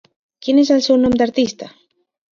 Quin és el seu nom d'artista?